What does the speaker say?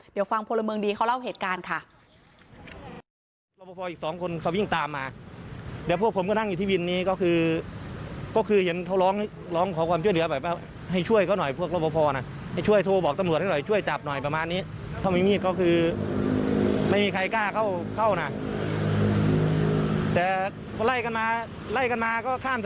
เดี๋ยวฟังพลเมืองดีเขาเล่าเหตุการณ์ค่ะ